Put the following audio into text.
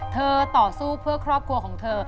ต่อสู้เพื่อครอบครัวของเธอ